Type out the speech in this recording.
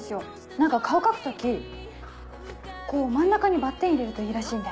何か顔描く時こう真ん中にバッテン入れるといいらしいんで。